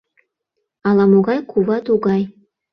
Ала-могай кува тугай.